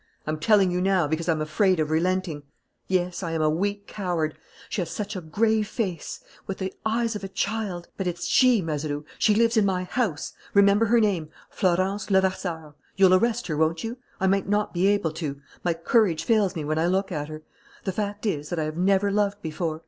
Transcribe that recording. I'm telling you now, because I'm afraid of relenting. Yes, I am a weak coward. She has such a grave face, with the eyes of a child. But it's she, Mazeroux. She lives in my house. Remember her name: Florence Levasseur. You'll arrest her, won't you? I might not be able to. My courage fails me when I look at her. The fact is that I have never loved before.